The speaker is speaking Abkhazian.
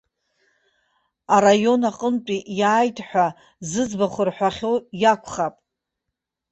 Араион аҟынтәи иааит ҳәа зыӡбахә рҳәахьоу иакәхап.